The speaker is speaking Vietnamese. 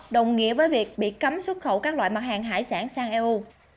đồng nghĩa với việc bị cấm xuất khẩu các loại mặt hàng hải sản sang eu